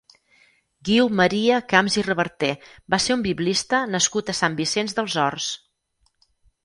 Guiu Maria Camps i Reverter va ser un biblista nascut a Sant Vicenç dels Horts.